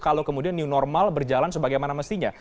kalau kemudian new normal berjalan sebagaimana mestinya